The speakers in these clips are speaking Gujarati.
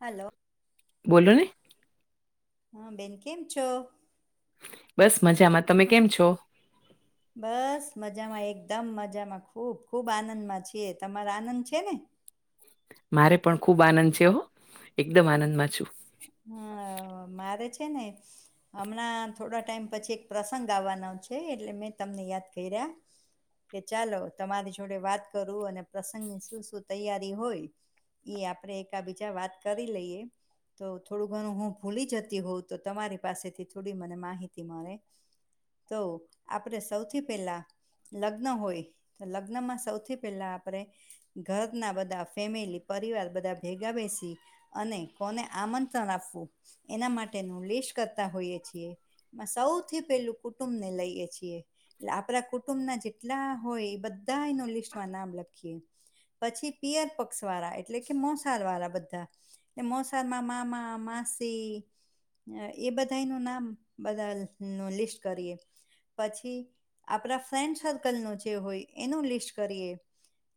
હલો બોલો ની હા બેન કેમ છો બસ મજામાં તમે કેમ છો બસ મજામાં એકદમ મજામાં ખૂબ ખૂબ આનંદમાં છે તમારો આનંદ છે ને મારે પણ ખૂબ આનંદ છે હ એકદમ આનંદમાં છું હા મારે છે ને હમણાં થોડા ટાઈમ પછી એક પ્રસંગ આવવાનો છે એટલે મેં તમને યાદ કર્યા કે ચાલો તમારી જોડે વાત કરું અને પ્રસંગની શું શું તૈયારી હોય એ આપણે એકા બીજા વાત કરી લઈએ તો થોડું ઘણું હું ભૂલી જતી હોઉં તો તમારી પાસેથી થોડી મને માહિતી મળે તો આપણેે સૌથી પહેલા લગ્ન હોય તો લગ્નમાં સૌથી પહેલા આપણે ઘરના બધા ફેમિલી પરિવાર બધા ભેગા બેસી અને કોને આમંત્રણ આપવું એના માટેનું લીશ કરતા હોઈએ છીએ સૌથી પેલું કુટુંબ ને લઈએ છીએ એટલે આપણા કુટુંબ ના જેટલા હોય એ બધાયનું લિસ્ટમાં નામ લખીએ પછી પિયર પક્ષ વાળા એટલે કે મોસાળ વાળા બધા મોસા રમાં મામા માસી અ એ બધા ન નામ બધા ન લિસ્ટ કરીએ પછી આપણા ફ્રેન્ડ સર્કલ નું જે હોય એનું લિસ્ટ કરીએ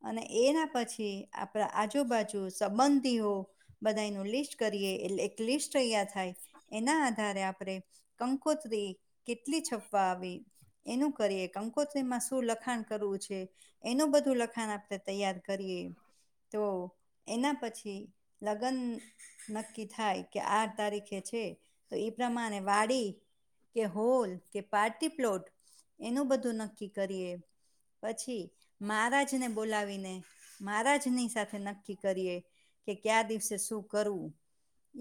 અને એના પછી આપણા આજુબાજુ સંબંધીઓ બધા ન લિસ્ટ કરીએ એટલે એક લિસ્ટ તૈયાર થાય એના આધારે આપણે કંકોતરી કેટલી છપ્પા આવી એનું કરીએ કંકોત્રી મા શું લખાણ કરવું છે, એનું બધું લખાણ આપણે તૈયાર કરીએ તો એના પછી લગ્ન નક્કી થાય કે આ તારીખે છે તો એ પ્રમાણે વાડી કે હોલ કે પાર્ટી પ્લોટ એનું બધું નક્કી કરીએ પછી મહારાજને બોલાવીને મહારાજની સાથે નક્કી કરીએ કે ક્યા દિવસે શું કરવું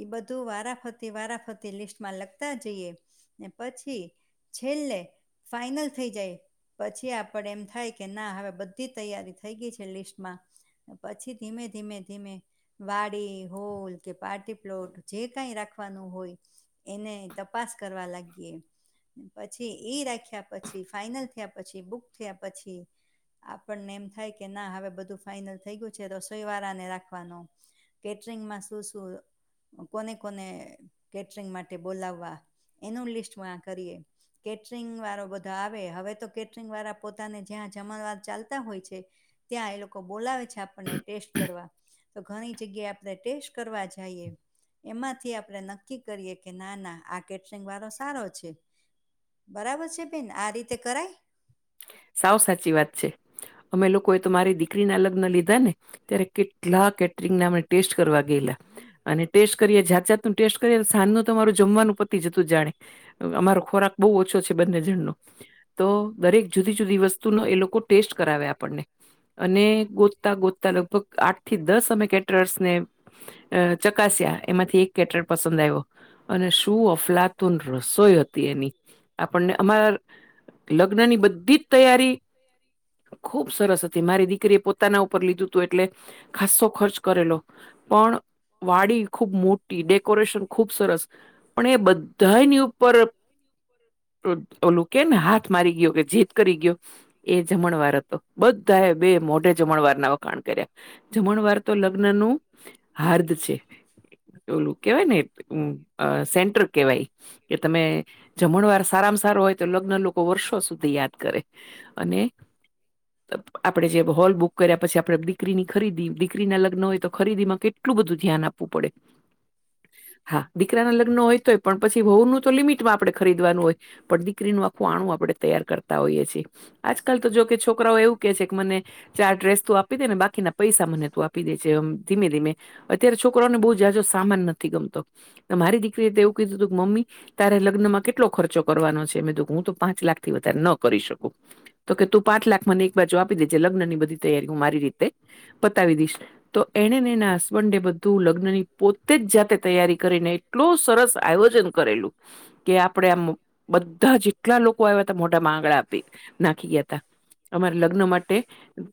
એ બધું વારાફતી વારાફતી લિસ્ટમાં લખતા જઈએ ને પછી છેલ્લે ફાઈનલ થઈ જાય પછી આપડ એમ થાય કે ના હવે બધી તૈયારી થઈ ગઈ છે લિસ્ટમાં પછી ધીમે ધીમે ધીમે વાડી હોલ કે પાર્ટી પ્લોટ જે કઈ રાખવાનું હોય એને તપાસ કરવા લાગીએ પછી એઈ રાખ્યા પછી ફાઈનલ થયા પછી બુક થયા પછી આપણને એમ થાય કે ના હવે બધું ફાઈનલ થઈ ગયું છે રસોઈ વાળાને રાખવાનું કેટરિંગમાં શું શું કોને કોને કેટરિંગ માટે બોલાવા એનું લિસ્ટ મા કરીએ કેટરિંગ વાળો બધો આવે હવે તો કેટરિંગ વાળા પોતાને જ્યાં જમણવાર ચાલતા હોય છે, ત્યાં એ લોકો બોલાવે છે આપણને ટેસ્ટ કરવા તો ઘણી જગ્યાએ આપડે ટેસ્ટ કરવા જઈએ એમાંથી આપણે નક્કી કરીએ કે ના ના આ કેટરિંગ વાળો સારો છે, બરાબર છે, બેન આ રીતે કરાય સાવ સાચી વાત છે, અમે લોકોએ તો મારી દીકરી ના લગ્ન લીધા ને ત્યારે કેટલા કેટરિંગ ના અમે ટેસ્ટ કરવા ગયેલા અને ટેસ્ટ કરીયે જાત જાત નુ ટેસ્ટ કરીયે તમારું જમવાનું પતિ જતું જાણે અમારો ખોરાક બહુ ઓછો છે બંને જણ નો તો દરેક જુદી જુદી વસ્તુનો એ લોકો ટેસ્ટ કરાવે આપણને અને ગોતતા ગોતતા લગભગ આઠ થી દસ અમે કેટરર્સ ને અ ચકાસ્યા એમાંથી એક કેટર પસંદ આવ્યો અને શું અફલાતુન રસોઈ હતી એની આપણને અમારા લગ્ન ની બધ બી તૈયારી ખુબ સરસ હતી મારી દીકરીએ પોતાના ઉપર લીધું હતું એટલે ખસ્સો ખર્ચ કરેલો પણ વાડી ખુબ મોટી ડેકોરેશન ખુબ સરસ પણ એ બધાની ઉપર ઓલું કે ને હાથ મારી ગયો કે જીદ કરી ગયો એ જમણવાર હતો બધા એ બે મોઢે જમણવાર ના વખાણ કર્યા જમણ વાર તો લગ્ન નું હાર્દ છે, ઓલું કેવાય ને હ અ સેન્ટર કેવાય કે તમે જમણવાર સારામાં સારો હોય તો લગ્ન લોકો વર્ષો સુધી યાદ કરે અને [inaudible] આપડણે જે હોલ બુક કર્યા પછી આપડે દીકરીની ખરીદી દીકરીના લગ્ન હોય તો ખરીદીમાં કેટ એટલું બધું ધ્યાન આપવું પડે [inaudible] હા દીકરા ના લગ્ન હોય તોય પણ પછી વહુ નું તો લિમિટમાં આપડણે ખરીદવાનું હોય પણ દીકરીનું આખું આણું આપડણે તૈયાર કરતા હોઈએ છીએ આજકાલ તો જો કે છોકરાઓ એવું કેહે છે કે મને ચાર ડ્રેસ તો આપી દે ને બાકીના પૈસા મને તો આપી દે છે ધીમે ધીમે અત્યારે છોકરોને બહુ જાજો સામાન નથી ગમતો મારી દીકરી તો એવું કીધું મમ્મી તારે લગ્નમાં કેટલો ખર્ચો કરવાનો છે મે હું તો પાંચ લાખથી વધારે ન કરી શકું તો કે તું પાંચ લાખ મને એક બાજુ આપી દેજ લગ્ન ની બધી તૈયારીઓ હું મારી રીતે પતાવી દઈશ તો એને એના હસબન્ડે બધું લગ્ન ની પોતે જ જાતે તૈયારી કરીને એટલું સરસ આયોજન કરેલું કે આપણેે આમ બધા જ કેટલા લોકો આયવા તા મોઢામાં આગડા આપી નાખી ગયા તા અમારે લગ્ન માટે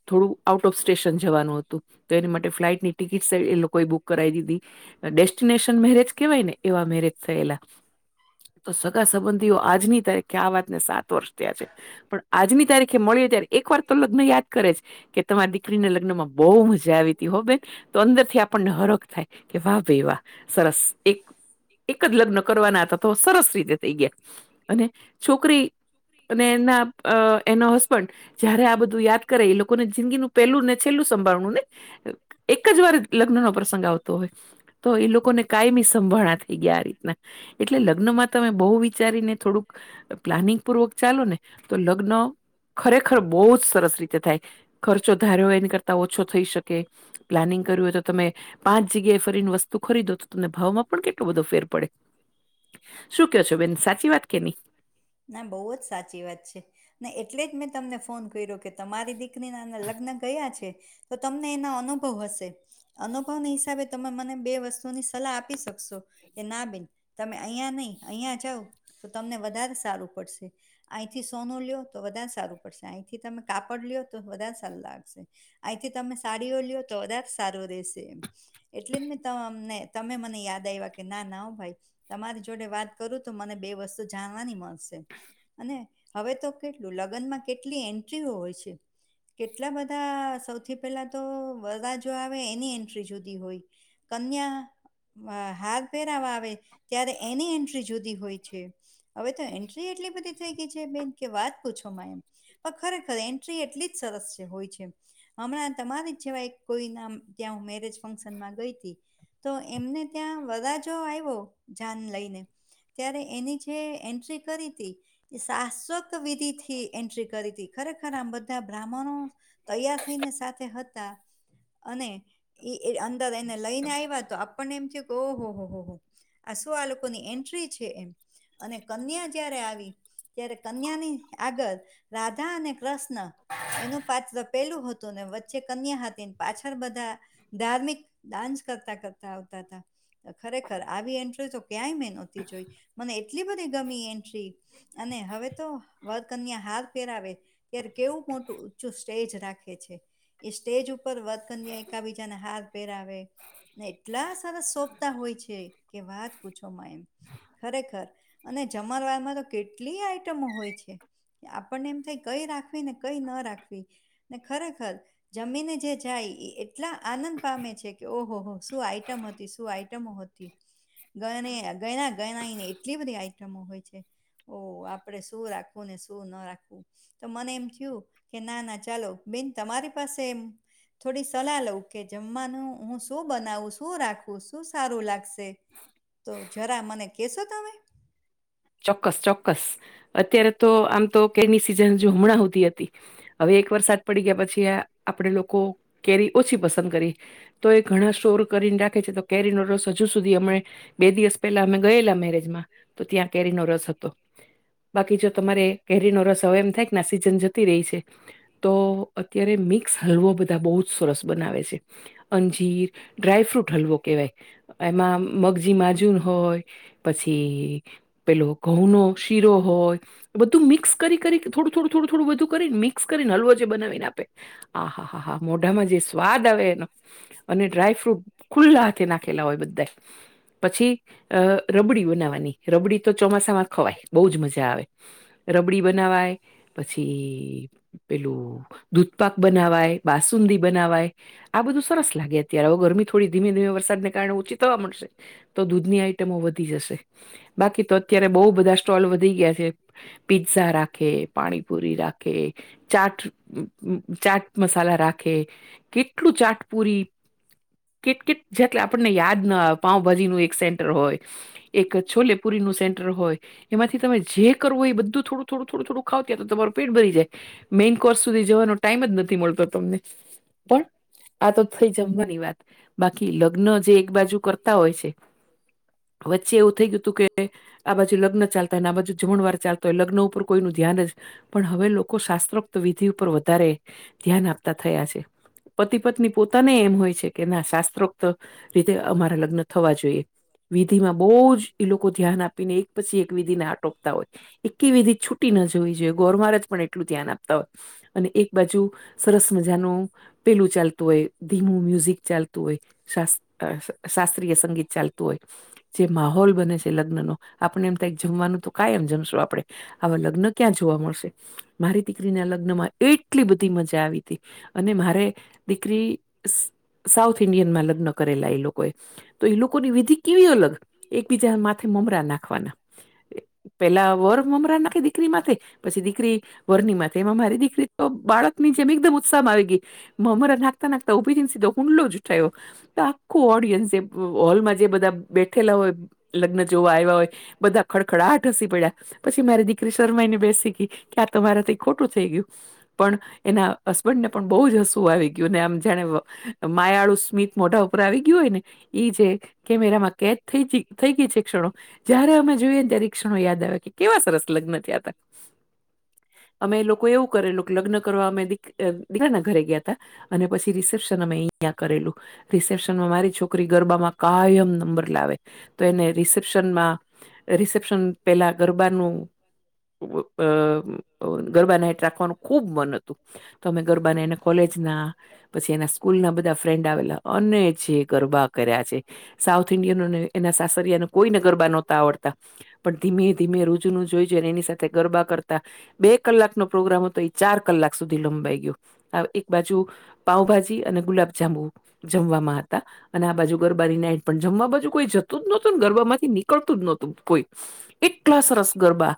થોડું આઉટ ઓફ સ્ટેશન જવાનું હતું તો એની માટે ફ્લાઇટ ની ટિકિટ એ લોકોએ બુક કરાવી દીધી ડેસ્ટિનેશન મેરેજ કેવાય ને એવા મેરેજ થયેલા તો સગા સંબંધીઓ આજની તારીખે આ વાત ને સાત વર્ષ થયા છે પણ આજની તારીખે મળ્યો ત્યારે એક વાર તો લગ્ન યાદ કરે છે કે તમારી દીકરીને લગ્ન માં બહુ મજા આવીતી હો બેન તો અંદર થી આપણને હરખ થાય કે વા ભઈ વાહ સરસ એક એક જ લગ્ન કરવાના હતા તો સરસ રીતે થઈ ગયા અને છોકરી અને એના એનો હસબન્ડ જયારે આ બધું યાદ કરે એ લોકો લોકોને જિંદગીનું પહેલું ને છેલ્લું સંભાળણું ને એક જ વાર લગ્નનો પ્રસંગ આવતો હોય તો એ લોકોને કાયમી સંભાણા થઈ ગયા આ રીતના એટલે લગ્નમાં તમે બહુ વિચારીને થોડુંક પ્લાનિંગ પૂર્વક ચાલો ને તો લગ્ન ખરેખર ખર બહુ જ સરસ રીતે થાય ખર્ચો ધાર્યો હોય એને કરતા ઓછો થઈ શકે પ્લાનિંગ કર્યું હોય તો તમે પાંચ જગ્યાએ ફરીને વસ્તુ ખરીદો તો તમને ભાવમાં પણ કે એટલો બધો ફેર પડે શું કયો છો બેન સાચી વાત કે નહી ના બહુ જ સાચી વાત છે ને એટલે જ મેં તમને ફોન કર્યો કે તમારી દીકરી નાના લગ્ન કર્યા છે. તો તમને એના અનુભવ હશે અનુભવની હિસાબે તમે મને બે વસ્તુઓની સલાહ આપી શકશો કે ના બેન તમે અહીં નહી અહીયાં જાાવ તો તમને વધારે સારું પડશે. અહીંથી સોનું લ્યો તો વધારે સારું પડશે અહીંથી તમે કાપડ લ્યો તો વધારે સારું લાગશે અહીંથી તમે સાડીઓ લયોઓ તો કદાચ સારું રહેશે એમ એટલે જ મેં ત મને તમે મને યાદ આવ્યા કે ના ના હો ભાઈ તમારી જોડે વાત કરું તો મને બે વસ્તુ જાણવાની મળશે અને હવે તો કેટલું લગ્નમાં કેટલી એન્ટ્રીઓ હોય છે. કેટલા બધા સૌથી પહેલા તો બધા જો આવે એની એન્ટ્રી જુદી હોય કન્યા હાર પેરાવા આવે ત્યારે એની એન ટ્રી જુદી હોય છે હવે તો એન્ટ્રી એટલી બધી થઈ ગઈ છે બેન કે વાત પૂછોમાં એમ પણ ખરેખર એન્ટ્રી એટલી જ સરસ છે હોય છે હમણાં તમારી જેવા એક કોઈ ના ત્યાં મેરેજ ફંક્શનમાં ગઈ હતી તો એમને ત્યાં વરાજો આવ્યો જાન લઈને ત્યારે એની જે એન્ટ્રી કરી હતી. એ શાશ્વત વિધિથી એન્ટ્રી કરી હતી ખરેખર આમ બધા બ્રાહ્મણો તૈયાર થઈને સાથે હતા અને એ અંદર એને લઈને આવ્યા તો આપણને એમ થયું કે ઓહ હો હો હો આ સો આ લોકોની એન્ટ્રી છે એમ અને કન્યા જયારે આવી ત્યારે કન્યાની આગળ રાધા અને કૃષ્ણ એનું પાછળ પેલું હતું ને વચ્ચે કન્યા હતી ને પાછળ બધા ધાર્મિક ડાન્સ કરતા કરતા આવતા હતા ખરેખર આવી એન્ટ્રી તો ક્યાંય મે જોઈ મને એટલી બધી ગમી એન્ટ્રી અને હવે તો વર કન્યા હાર પેરાવે ત્યારે કેવું મોટું ઊંચું સ્ટેજ રાખે છે એ સ્ટેજ ઉપર વર્ક અન્યા એકાબીજાને હાર પહેરાવે ને એટલા સારા સોંભતા હોય છે કે વાત પૂછો માં એમ ખરેખર અને જમારવારમાં તો કેટલી આઈટમો હોય છે કે આપણને એમ થાય કઈ રાખવી ને કઈ ન રાખવી ને ખરેખર જમીને જે જાય એ એટલા આનંદ પામે છે કે ઓહોહ શું આઈટમ હતી શું આઈ આમો હતી ગ ગણા ગણાને એટલી બધી આઈટમો હોય છે ઓ આપડે શું રાખવું ને શું ના રાખવું તો મને એમ થયું કે ના ના ચાલો બેન તમારી પાસે એમ થોડી સલાહ લઉં કે જમવાનું હું શું બનાવું શું રાખવું શું સારું લાગશે તો હા જરા મને કહેશો તમે ચોક્કસ ચોક્કસ અત્યારે તો આમ તો કેરની સિઝન જો હમણાં હતી હતી હવે એક વરસાદ પડી ગયા પછી આપણે લોકો કેરી ઓછી પસંદ કરી તો એ ઘણા સ્ટોર કરીને નાખે છે તો કેરીનો રોસ હજુ સુધી બે દિવસ પેલા અમે ગયેલા મેરેજમાં તો ત્યાં કેરીનો રસ હતો બાકી જો તમારે કેરીનો રસ હવે એમ થાયને આ સિઝન જતી રહી છે તો અત્યારે મિક્સ હલવાો બધા બહુ જ સરસ બનાવે છે અંજીર ડ્રાયફ્રૂટ હલવો કેવાય એમાં મગજી માજુર હોય પછી પેલો ઘઉં નો શીરો હોય બધું મિક્સ કરી કરી થોડું થોડું થોડું થોડું બધું કરીને મિક્સ કરીને હલવો જે બનાવીને આપે આ હા હા હા મોઢામાં જે સ્વાદ આવે એનો અને ડ્રાયફ્રૂટ ખુલ્લા હાથે નાખેલા હોય બધા પછી અ રબડી બનાવવાની રબડી તો ચોમાસામાં ખવાય બહજ મજા આવે રબડી બનાવાય પછી પેલું દૂધપાક બનાવાય બાસુંદી બનાવાય આ બધું સરસ લાગે અત્યારે હવે ગરમી થોડી ધીમે ધીમે વરસાદને કારણે ઓછી થવા મળશે તો દૂધની આઈટમો વધી જશે બાકી તો અત્યારે બઉ બધા સ્ટોલ વધી ગયા છે પીઝા રાખે પાણીપુરી રાખે ચાટ ચાટ મસાલા રાખે કેટલું ચાટપુરી કેટ કેટ જેટલે આપણને યાદ ના આવે પાઉભાજી નું એક સેન્ટર હોય એક છોલે પુરીનું સેન્ટર હોય એમાંથી તમે જે કરવું એ બધું થોડું થોડું થોડું થોડું ખાવ ત્યાં તો તમારું પેટ ભરી જાય મેન કોર્સ સુધી જવાનો ટાઈમ જ નથી મળતો તમને પણ આ તો થઈ જમવાની વાત બાકી લગ્ન જે એક બા કરતા હોય છે વચ્ચે એવું થઈ ગયું હતું કે આ બાજુ લગ્ન ચાલ જુ જમણ વાર ચાલતો હોય લગ્ન ઉપર કોઈનું ધ્યાન જ પણ હવે લોકો શાસ્ત્રોક્ત વિધિ ઉપર વધારે ધ્યાન આપતા થયા છે પતિ પત્ની પોતાને એમ હોય છે કે ના શાસ્ત્રોક્ત રીતે અમારા લગ્ન થવા જોઈએ વિધિમાં બહુ જ એ લોકો ધ્યાન આપીને એક પછી એક વિધિને આટોકતા હોય એક વિધી છુટી ન જોવી જોઈએ ગોર માર જ પણ એટલું ધ્યાન આપતા હોય અને એક બાજુ સરસ મજાનું પેલું ચાલતું હોય ધીમું મ્યુઝિક ચાલતું હોય શ શાસ્ત્રીય સંગીત ચાલતું હોય જે માહોલ બને છે લગ્ન નો આપણે એમ થ જમવાનું તો કઈ એમ જમશો આપડણે આવા લગ્ન ક્યાં જોવા મળશે મારી દીકરીના લગ્ન માં એટલી બધી મજા આવી તી અને મારે દીકરી સાઉથ ઇન્ડિયનમાં લગ્ન કરેલા એ લોકોએ તો એ લોકોની વિધિ કેવી અલગ એકબીજા મમરા નાખવાના પેલા વર મમરા નાખે દીકરીમાં પછી દીકરી વરની મા એમાં મારી દીકરી તો બાળક ની જેમ એકદમ ઉત્સાહ આવી ગઈ મ મરા નાખતા નાખતા [unintelligible] તો આખું ઓડિયન્સ જે હોલમાં જે બધા બેઠેલા હોય લગ્ન જોવા આવ્યા હોય બધા ખડખડાટ હસી પડ્યા પછી મારી દીકરી શર્માયને બેસી ગઈ કે આ તો મારા થી ખોટું થઈ ગયું. પણ એના હસબન્ડ ને પણ બહુ જ હસવું આવી ગયું ને આમ જાણે માયાળુ સ્મિતથ મોઢા ઉપર આવી ગયું હોય ને ઈ જે કેમેરામાં કેદ થઈ ગઈ થઈ ગઈ છે ક્ષણો જયારે અમે જોઈએ ને ત્યારે ક્ષણો યાદ આવે કે કેવા સરસ લગ્ન થયા હતા [inaudible] અમે એ લોકો એવું કરેલુ કે લગ્ન કરવા અમે દી દીકરા ના ઘરે ગયા અને પછી રિસેપ્શન અમે અહંયા કરેલું રિસેપ્શનમાં મારી છોકરી ગરબામાં કાયમ નંબર લાવે તો એ ને રિસેપ્શન રિપ્શન પેલા ગરબા નું અ ગરબાના હઠ રાખવાનું ખુબ મન હતું તો અમે ગરબાને એને કોલેજ ના [unintelligible] પછી એના સ્કૂલ ના બધા ફ્રેન્ડ આવેલા અને જે ગરબા કર્યા છે સાઉથ ઇન્ડિયનને એના સાસરિયાને કોઈને ગરબા નહોતા આવડતા પણ ધીમે ધીમે રૂજુનું જોઈ છે એની સાથે ગરબા કરતા બે કલાક નો પ્રોગ્રામ હતો એ ચાર કલાક સુધી લંબાઈ ગયો બાજુ પાઉભાજી અને ગુલાબ જાંબૂ જમવાવામાં હતા અને આ બાજુ ગરબાની નાઈટ પણ જમવા બાજુ કોઈ જ ું જ નહોતું ને ગરબા માંથી નીકળતું જ નોતું કોઈ એટલા સરસ ગરબા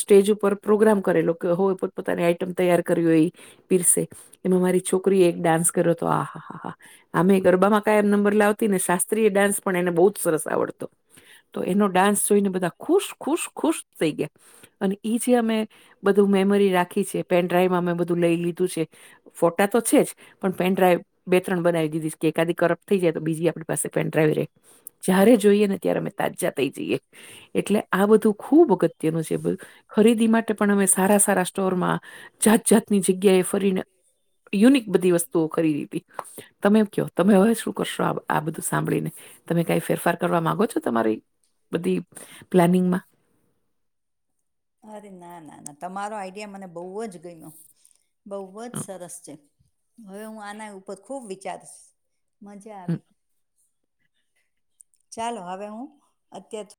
સ્ટેજ ઉપર પ્રોગ્રામ કરેલો કે હો પોપતાની તૈયાર કર્યું એ પીરસે એમાં મારી છોકરીએ એક ડાન્સ કર્યો હતો આ હા હા હા અમેયે ગરબામાં કાયમ નંબર લાવતી ને શાસ્ત્રીય ડાન્સ પણ એને બહુ જ સરસ તો એનો ડાન્સ જોઈને બધા ખુશ ખુશ ખુશ થઈ ગયા અને ઈ જે અમે બધું મેમરી રાખી છે પેનડ્રાઈવમાં અમે બધું લઈ લીધું છે ફોટા તો છે જ પણ પેન ડ્રાઈવ બે ત્રણ બનાવી દીધીછે કે એકાદી કરપ્ટ થઈ જાય તો બીજી આપણી પાસે પેન ડ્રાઈવ રે જયારે જોઈએ ને ત્યારે અમે તાજા થઈ જઈએ એટલે આ બધું ખુબ અગત્યનું છે ખરીદી માટે પણ અમે સારા સારા સ્ટોરમાં જાત જાતની જગ્યાએ ફરીને યુનિક બધી વસ્તુઓ ખરીદી હતી તમે કયો તમે હવે શું કરશો આ બધું સાંભળીને તમે કઈ ફેરફાર કરવા માંગો છો તમારી બધી પ્લાનિંગમાં અરે ના ના ના તમારો આઈડિયા મને બહુ જ ગમ્યો બહુ જ સરસ છે હવે હું આના ઉપર ખુબ વિચારીસ મજા આવી ચાલો હવે હું અત્યાર